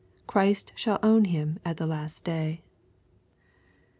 Christ shall own him at the last day.